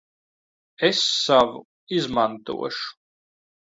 Es savu izmantošu.